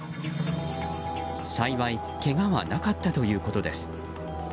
幸いけがはなかったということです。